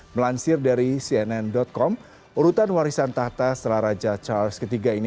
melansir dari cnn com urutan warisan tahta setelah raja charles iii ini